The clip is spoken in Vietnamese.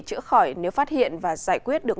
chữa khỏi nếu phát hiện và giải quyết được